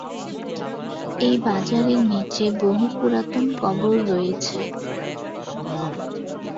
এই বাজারের নিচে বহু পুরাতন কবর রয়েছে।